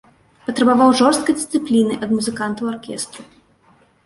Патрабаваў жорсткай дысцыпліны ад музыкантаў аркестру.